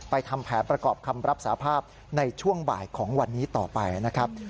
ทำแผนประกอบคำรับสาภาพในช่วงบ่ายของวันนี้ต่อไปนะครับ